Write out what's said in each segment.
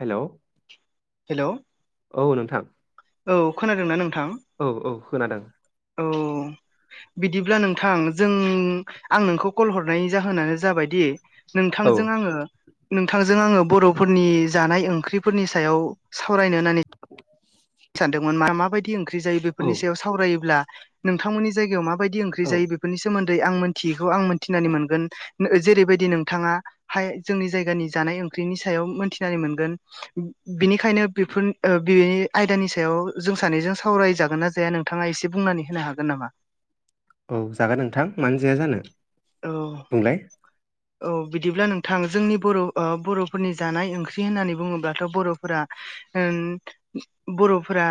Hello hello औ नोंथां औ खोनादोंना नों? औ औ खोनादों। बिदिब्ला नोंथां जों आं नोंखौ कल हरनायनि जाहोनानो जाबायदि औ नोंथांजों आङो नोंथांजों आङो बर'फोरनि जानाय ओंख्रिफोरनि सायाव सावरायनो होननानै सानदोंमोन मा माबायदि ओंख्रि जायो औ बेफोरनि सायाव सावरायोब्ला नोंथांमोननि जायगायाव माबायदि ओंख्रि औ जायो बेफोरनि सोमोन्दै आं मोनथियो बेखौ आं मिथिनानै मोनगोन। जेरैबायदि नोंथाङा हाय जोंनि जायगानि जानाय ओंख्रिनि सायाव मोनथिनानै मोनगोन। बिनिखायनो बेफोर ओ बिनि आयदानि सायाव जों सानैजों सावरायजागोन ना जाया नोंथाङा एसे बुंनानै होनो हागोन नामा? औ जागोन नोंथां मानो जाया जानो औ बुंलाय औ बिदिब्ला नोंथां जोंनि बर' ओ बर'फोरनि जानाय ओंख्रि होननानै बुङोब्लाथ' बर'फोरा ओ बर'फोरा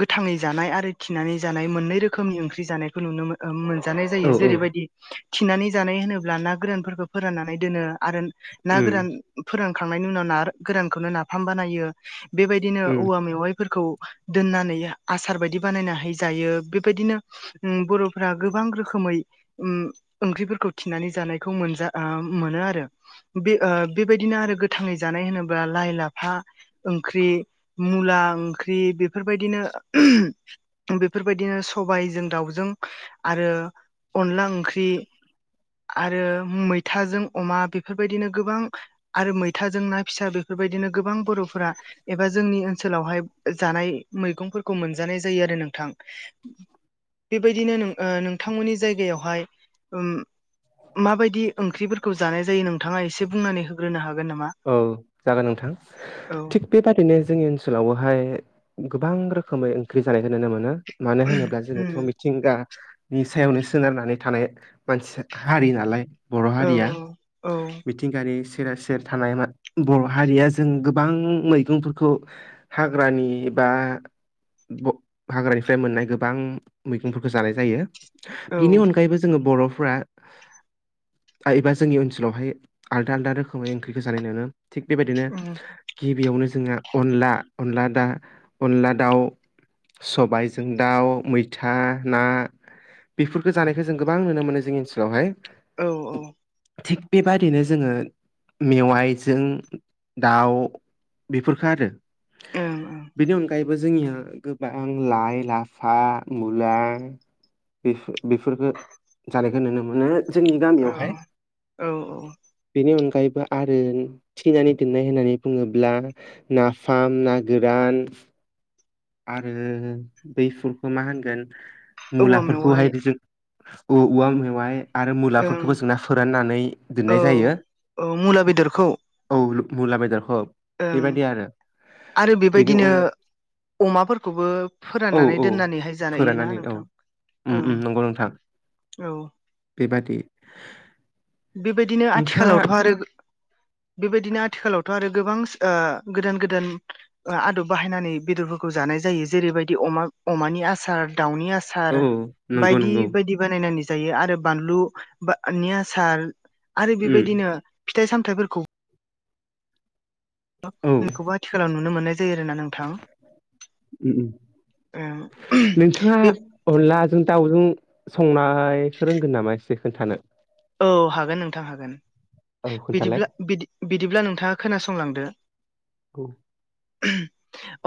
गोथाङै जानाय आरो खिनानै जानाय मोननै रोखोमनि ओंख्रि जानायखौ नुनो ओ मोनजानाय औ जायो उम जेरैबायदि थिनानै जानाय होनोब्ला ना गोरानफोरखौ फोराननानै दोनो आरो ना गोरान उम फोरानखांनायनि उनाव ना गोरानखौनो नाफाम बानायो बेबायदिनो औवा मेवाइफोरखौ दोननानै आसार बायदि बानायनानै जायो बेबायदिनो बर'फोरा गोबां रोखोमै ओम ओंख्रिफोरखौ थिनानै जानायखौ मोन मोनो आरो बे बेबायदिनो आरो गोथाङै जानाय होनोब्ला लाइ लाफा ओंख्रि मुला ओंख्रि बेफोर बेबायदिनो बेफोरबायदिनो सबायजों दाउजों आरो अनला ओंख्रि आरो मैथाजों अमा बेफोरबायदिनो गोबां आरो मैथाजों ना फिसा बेफोर बेबायदिनो गोबां बर'फोरा एबा जोंनि ओन सोलावहाय जानाय मैगंफोरखौ मोनजानाय जायो आरो नोंथां बेबायदिनो ओ नोंथांमोननि जायगायावहाय ओम माबायदि ओंख्रिफोरखौ जानाय जायो नोंथाङा एसे बुंनानै होग्रोनो हागोन नामा? औ जागोन नोंथां औ थिग बेबादिनो जोंनि ओनसोलावबोहाय गोबां रोखोमै ओंख्रि जानायखौ नुनो मोनो मानो होनोब्ला उम जोङोथ' मिथिंगा नि सायावनो सोनारनानै थानाय मानसि हारि नालाय बर' औ हारिया औ मिथिंगायारि थानाय बर' हारिया जों गोबां मैगंफोरखौ हाग्रानि एबा हाग्रानिफ्राय मोननाय गोबां मैगंफोरखौ जानाय जायो औ बिनि अनगायैबो जोङो बर' फोरा एबा जोंनि ओनसोलावहाय आलदा आलदा रोखोमै ओंख्रिखौ जानाय नुनो थिग बेबायदिनो उम गि बेयावनो जोंहा अनला अनला दा अनला दाउ सबायजों दाउ मैथा ना बेफोरखौ जानायखौ जों गोबां नुनो मोनो जोंनि ओनसोलावहाय औ औ थिग बेबादिनो जोङो मेवाइजों दाउ बेफोरखौ आरो ओं ओं बो जोंनिया गोबां लाइ लाफा मुला बे बेफोरखौ जानायखौ नुनो मोनो जोंनि औ गामियावहाय औ औ बेनि अनगायैबो आरो थिनानै दोननाय होननानै बुङोब्ला नाफाम ना गोरान आरो दैफुलखौ मा होनगोन औवा मेवाइ मुलाफोरखौहाय जों औवा मेवाय आरो ओं मुलाफोरखौबो जोंना फोराननानै औ दोननाय जायो औ मुला बेदरखौ मुला बेदरखौ ओं बेबायदि आरो आरो बेनि अन बेबायदिनो अमाफोरखौबो फोराननानै दोननानैहाय जानायोना नोंथां ओम ओं ओम नंगौ नोंथां औ बेबादि बेबायदिनो नोंथाङा आथिखालावथ' आरो बेबायदिनो आथिखालावथ' आरो गोबां ओ गोदान गोदान आदब बाहायनानै बेदरफोरखौ जानाय जायो जेरैबायदि अमा अमानि आसार दाउनि औ आसार सार नंगौ बायदि नंगौ बायदि बानायनानै जायो आरो बानलु बा नि आ सार आरो उम बेबायदिनो फिथाइ सामथाइफोरखौ औ उम बेखौबो आथिखालाव नुनो मोननाय जायो आरोना नोंथां नोंथाङा बे अनलाजों दाउजों संनायखौ रोंगोन नामा एसे खोन्थानो औ हागोन नोंथां हागोन औ खोन्थालाय बिदिब्ला बि-बिदिब्ला नोंथाङा खोनासंलांदो औ [unintelligible]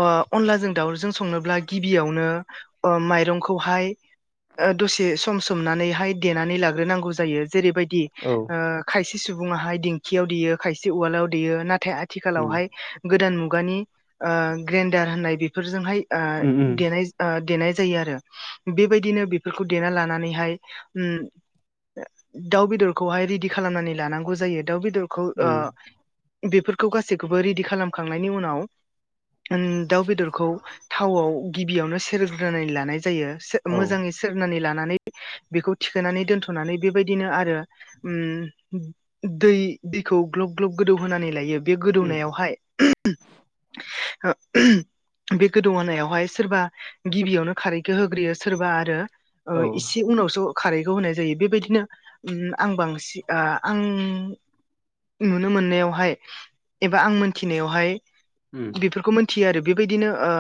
ओ अनलाजों दाउरजों संनोब्ला गिबियावनो माइरंखौहाय दसे सम सोमनानैहाय देनानै लाग्रोनांगौ जायो जेरैबायदि औ खायसे सुबङाहाय दिंखियाव देयो खायसे उवालाव देयो नाथाय नाथाय उम आथिखालावहाय गोदान मुगानि ग्रेन्डार होननाय बेफोरजोंहाय ओ उम उम देनाय ओ ओ देनाय जायो आरो बेबायदिनो बेफोरखौ देना लानानैहाय दाउ बेदरखौहाय रेडि खालामनानै लानांगौ जायो दाउ बेदरखौ ओ उम बेफोरखौ गासैखौबो रेडि खालामखांनायनि उनाव दाउ बेदरखौ थावआव गिबियावनो सेरग्रोनानै लानाय जायो औ मोजाङै सेरनानै लानानै बेखौ थिखोनानै दोनथ'नानै बेबाय दिनो आरो दै दैखौ ग्लब ग्लब गोदौ होनानै लायो बे उम गोदौनायाव बे गोदौआानायावहाय सोरबा गिबियावनो खारैखौ होग्रोयो सोरबा आरो औ इसे उनावसो खारैखौ होनाय जायो बेबायदिनो आं बांसिन आं नुनो मोननायावहाय एबा आं मोनथिनायावहाय उम बेफोरखौ मोनथियो आरो बेबायदिनो ओ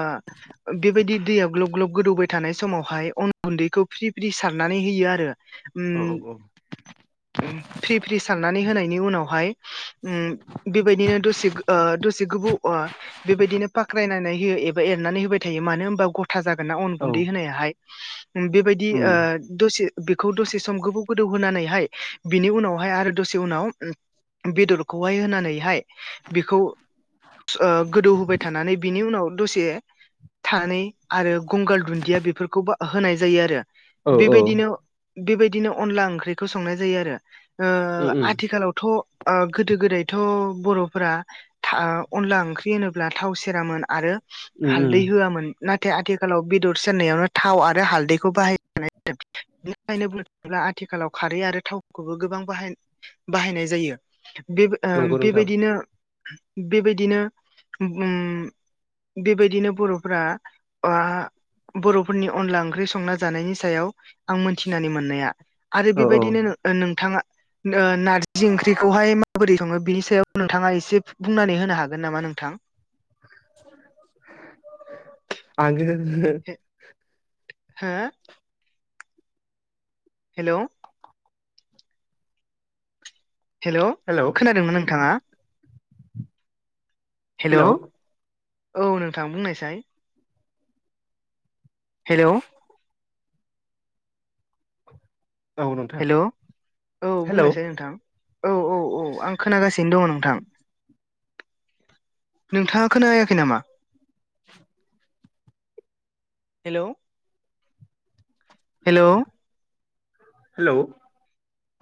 बेबायदि दैयाव ग्लब ग्लब गोदौबाय थानाय समावहाय अन गुन्दैखौ फ्रि फ्रि सारनानै होयो आरो औ औ फ्रि फ्रि साननानै होनायनि उनावहाय बेबायदिनो दसे ओ दसे गोबाव ओ बेबायदिनो फाख्रायनानै होयो एबा एनानै होबाय थायो मानो होनबा गथ था जागोन्ना अन औ गुन्दै होनायाहाय बेबायदि उम ओ दसे बेखौ दसे सम गोबाव गोदौ होनानैहाय बिनि उनावहाय आरो दसे उनाव बेदरखौहाय होनानैहाय बेखौ गोदौ होबाय थानानै बिनि उनाव दसे थानै आरो गंगार दुन्दिया बेफोरखौबो होनाय जायो आरो औ बेबायदिनो बेबायदिनो अनला ओंख्रिखौ संनाय जायो आरो उम ओ आथिखालावथ' गोदो गोदायथ' बर'फोरा अनला ओंख्रि होनोब्ला थाव सेरामोन आरो उम उम हालदै होआमोन नाथाय आथिखालाव बेदर सेरनायावनो थाव आरो हालदैखौ बाहायानाय बेखायनोबो आथिखालाव खारै आरो थावफोरखौबो गोबां बाहाय बाहायनाय जायो बे ओ नंगौ नोंथां बेबायदिनो बेबायदिनो उम बेबायदिनो बर'फ्रा आ बर'फोरनि अनला ओंख्रि संना जानायनि सायाव आं मोनथिनानै मोननाया आरो औ औ बेबायदिनो नोंथाङा नारजि ओंख्रिखौहाय माबोरै सङो बिनि सायाव नोंथाङा एसे बुंनानै होनो हा गोन नामा नोंथां? हागोन हा हेल' हेल' हेलौ खोनादोंमोन नोंथाङा? हेलौ औ नोंथां बुंनायसाय हेल' । बुं नोंथां । हेलौ औ बुंनोसै नोंथां औ औ औ आं खोनागासिनो दङ नोंथां नोंथाङा खोनायाखै नामा! हेल' । हेल' । हेलौ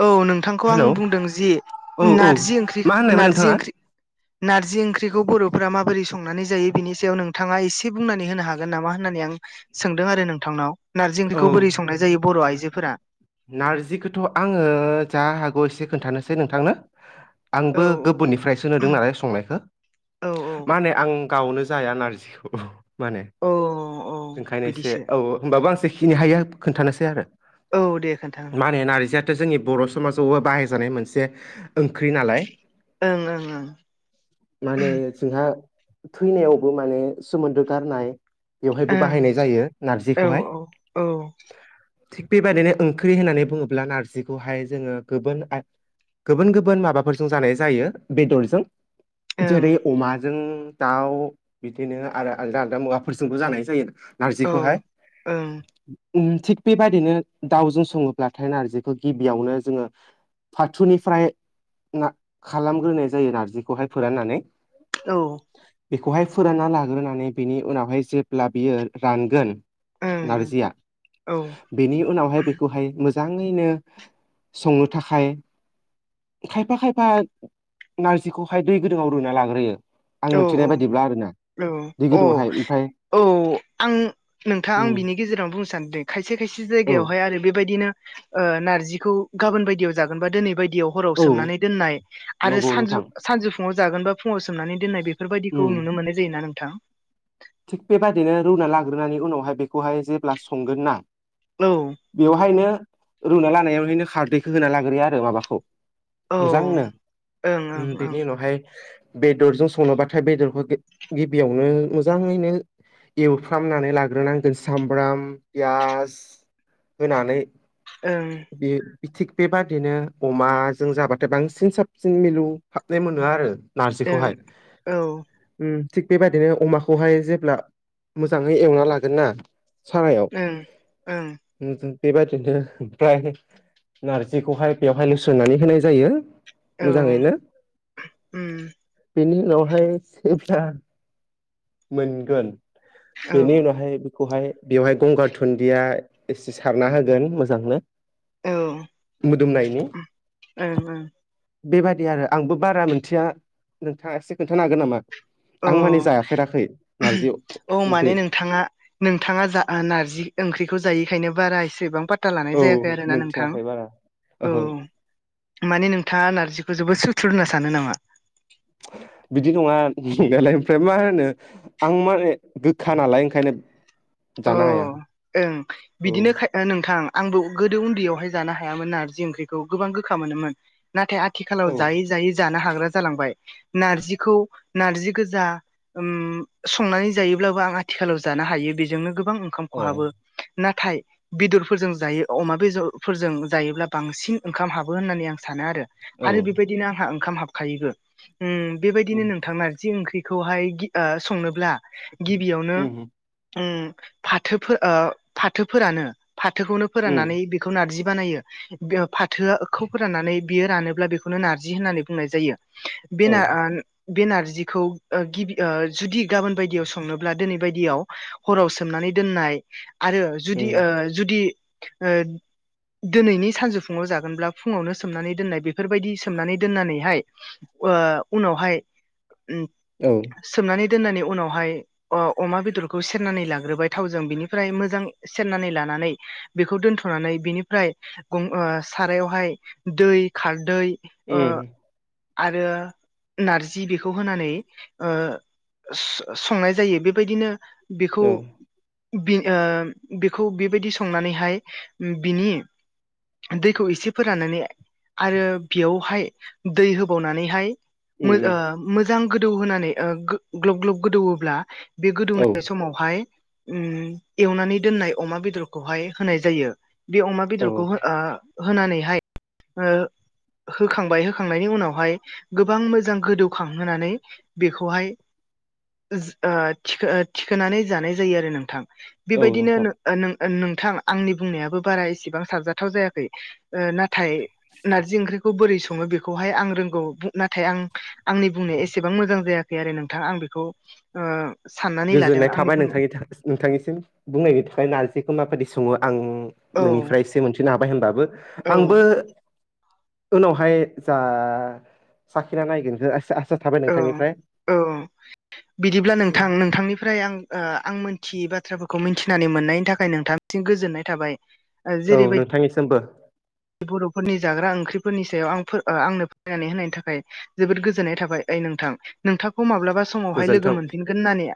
औ नोंथांखौ आं हेलौ बुंदों जि औ औ नारजि ओंख्रि मा होननायमोन नारजि नोंथाङा ओंख्रि नारजि ओंख्रिखौ बर'फ्रा माबोरै संनानै जायो बिनि सायाव नोंथाङा एसे बुंनानै होनो हागोन नामा होननानै आं। सोंदों आरो नोंथांनाव नारजि औ ओंख्रिखौ बोरै संनाय जायो बर' आइजोफोरा ओ जा हागौ एसे खोन्थानोसै नोंथांनो औ आंबो गुबुननिफ्रायसो नुदों नालाय संनायखौ औ मा होनो आं। गावनो जाया नारजिखौ माने औ औ ओंखायनोसे बिदिसो औ होनबाबो आं ए खोन्थानोसै आरो । औ दे खोन्था नोंथां जोंनि बर' समाजावबो बाहायजानाय मोनसे ओंख्रि नालाय ओं ओं माने जोंहा थैनायावबो माने सोमोन्दो गारनाय बेवहायबो बाहायनाय जायो नारजिखौहाय औ थिग बेबायदिनो ओंख्रि होननानै बुङोब्ला नारजिखौहाय जोङो गुबुन गुबुन गुबुन माबाफोरजों जानाय जायो बेदरजों जेरै अमाजों दाउ बिदिनो आरो आलदा आलदा मुवाफोरजोंबो जानाय जायो आरो औ ओं थिग बेबायदिनो दाउजों सङोब्लाथाय नारजिखौ गिबियावनो जोङो फाथोनिफ्राय ना खालामग्रोनाय जायो नारजिखौहाय फोराननानै औ बेखौहाय फोरानना लाग्रोनानै बिनि उनावहाय जेब्ला बियो रानगोन ओं नारजिया औ ओं बेनि उनावहाय बेखौहाय मोजाङैनो संनो थाखाय खायफा खायफा नारजिखौहाय दै गुदुंआव रुना लाग्रोयो आं औ मिथिनाय बायदिब्ला आरोना औ दै औ गुदुङावहाय ओमफ्राय औ आं नोंथाङा आं उम बिनि गेजेरावनो बुं खायसे खायसे जायगा औ याव हाय आरो बेबादिनो ओ नारजिखौ औ गाबोन बायदि आव जागोन बा दिनैबायदिआव हराव औ सोमनानै दोननाय आरो नंगौ सानजौ नोंथां सानजौ फु फुङाव जागोन बा फुङाव सोमनानै दोननाय उम बेफोरबायदिखौ नुनो मोननाय जायोना नोंथां थिग बेबादिनो रुना लाग्रोनानै उनावहाय बेखौहाय जेब्ला संगोन ना औ बेवहायनो रुना लानायावहायनो खारदैखौ होना लाग्रोयो आरो माबाखौ ओं मोजांनो ओं ओं बेनि उनावहाय बेदरजों संनोबाथाय बेदरखौ गिबियावनो ओ मोजाङैनो एवफ्रामनानै लाग्रोनांगोन सामब्राम पियास होनानै ओ बे थिग बेबादिनो अमाजों जाबाथाय बांसिन साबसिन मिलु हाबनाय मोनो आरो नारजिखौहाय थिग बेबायदिनो अमाखौ खौहाय जेब्ला मोजाङै एवना लागोन ना सारायाव ओं औ मोजां। बेबायदिनो उमफ्राय नारजिखौहाय बेवहाय लुसोननानै होनाय जायो ओं औ मोजाङैनो उम बेनि उनहायबा मोनगोन औ बेनि उनावहाय बेखौहाय बेवहाय गंगार थुन्दिया एसे सारना होगोन मोजांनो। ओं मोदोमनायनि। ओं बेबादि आरो आंबो बारा मोनथिया नोंथाङा एसे खोन्थानो हागोन नामा? आं औ माने जा औ माने नोंथाङा नोंथाङा जा ओ नारजि ओंख्रिखौ जायि खायनो बारा एसेबां फात ता लानाय औ जायाखै आरोना नोंथां। मोनथियाखै बारा औ ओहो माने नोंथाङा नारजिखौ जोबोद सु थुर होनना सानो नामा? बिदि नङा नंनायालाय ओमफ्राय मा होनो आं माे गोखा नालाय ओंखायनो जानो हाया अह ओं औ बिदिनो नोंथां। आंबो गोदो उन्दैयावहाय जानो हायामोन ना नारजि ओंख्रिखौ गोबां गोखा मोनोमोन। नाथाय आथिखालाव औ जायै जायै जानो हाग्रा जालांबाय। नारजिखौ नारजि गोजा संनानै जायोब्लाबो आं आथिखालाव जानो हायो। बेजोंनो गोबां ओंखाम ए खहाबो। नाथाय बेदरफोरजों जायो अमा बेजरफोरजों जायोब्ला बांसिन ओंखाम हाबो होननानै आं सानो आरो। औ आरो बेबायदिनो आंहा ओंखाम हाबखायोबो। बेबायदिनो उम नोंथां ना जि ओंख्रिखौहाय गि ओ संनोब्ला गिबियावनो उम फाथोफोर ओ फाथो फोरानो, फाथोखौनो उम फोराननानै बेखौ नारजि बानायो। फाथोआखौ फोराननानै बियो रानोब्ला बेखौनो नारजि होननानै बुंनाय जायो। औ बेनो ना बे नारजिखौ ओ गि ओ जुदि गाबोन बायदियाव संनोब्ला दिनै बायदियाव हराव सो सोमनानै दोननाय आरो जुदि ओ उम जुदि ओ दोनैनि सानजौफुङाव जागोनब्ला फुङावनो सोमनानै दोननाय बेफोरबायदि सोमनानै दोननानैहाय उनावहाय औ सोमनानै दोननानै उनावहाय अ-अमा बेदरखौ सेरनानै ला ग्रोबाय थावजों बिनिफ्राय मोजां सेरनानै लानानै बेखौ दोनथ'नानै बिनिफ्राय गं ओ सारायावहाय दै, खारदै ओ एह। आरो नारजि बेखौ होनानै ओ स-संनाय जायो। बेबायदिनो औ बेखौ बे ओ बेखौ बेबायदि संनानैहाय बिनि दैखौ एसे फोराननानै आरो बेयावहाय दै होबावनानैहाय मो उम ओ उम मोजां गोदौहोनानै ओ गो ग्लब ग्लब गोदौवोब्ला बे औ गोदौनाय समावहाय एवनानै दोननाय अमा बेदरखौहाय होनाय जायो। बे अमा औ बेदरखौ ओ होनानैहाय ओ होखांबाय होखांनायनि उनावहाय गोबां मोजां गोदौखांहोनानै बेखौहाय थि-थिखोनानै जानाय जायो आरो नोंथां औ बेबायदिनो नोंथां नो ओ नों नोंथां आंनि बुंनायाबो बारा इसेबां साबजाथाव जायाखै। नाथाय नारजि ओंख्रि खौ बोरै सङो बेखौहाय आं रोंगौ। बुं नाथाय आं आंनि बुंनाया एसेबां मोजां जायाखै आरो नोंथां। आं बेखौ ओ साननानै लादों गोजोननाय आंनि थाबाय बुंनो नोंथांनि था नोंथांनिसिम बुंनायनायनि थाखाय नारजिखो माबायदि सङो आं औ नोंनिफ्राय एसे मोनथिनो हाबाय होनबाबो औ आंबो उनावहाय जा साखिना नायगोनखो आस-आ औ औ बिदिब्ला नोंथां नोंथांनिफ्राय आं आं मिनथियै बाथ्राफोरखौ मिथिनानै मोननायनि थाखाय नोंथांसिम गोजोननाय थाबाय। औ जेरैबायदि नोंथांनिसिमबो। बर'फोरनि जाग्रा ओंख्रिफोरनि सायाव आं फो आंनो फोरमायनानै होनायनि थाखाय जोबोद गोजोननाय थाबाय। नोंथां। नोंथांखौ माब्लाबा समावहाय गोजोन्थों लोगो मोनफिनगोन होननानै